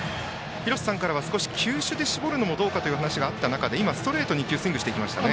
廣瀬さんからは球種で絞るのはどうかという話もありましたが今、ストレート２球にスイングしましたね。